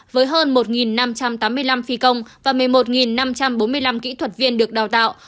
với hơn một năm trăm tám mươi năm phi công và một mươi một năm trăm bốn mươi năm kỹ thuật viên được đào tạo